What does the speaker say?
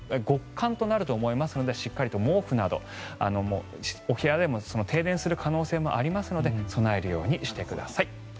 極寒となると思いますのでしっかりと毛布など、お部屋でも停電する可能性もありますので備えるようにしてください。